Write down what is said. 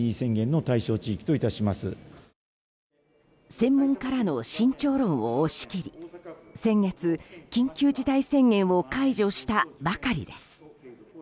専門家らの慎重論を押し切り先月、緊急事態宣言を解除したばかりです。